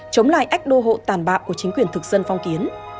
chống lại ách đô hộ tàn bạo của chính quyền thực dân phong kiến